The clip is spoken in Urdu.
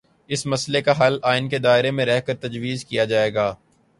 اس مسئلے کا حل آئین کے دائرے میں رہ کرتجویز کیا جائے گا۔